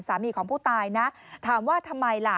สามีของผู้ตายนะถามว่าทำไมล่ะ